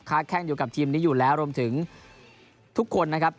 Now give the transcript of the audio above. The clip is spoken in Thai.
แข้งอยู่กับทีมนี้อยู่แล้วรวมถึงทุกคนนะครับ